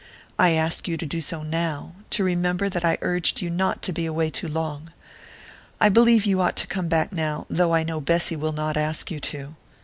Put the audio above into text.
I ask you to do so now to remember that I urged you not to be away too long. I believe you ought to come back now, though I know Bessy will not ask you to.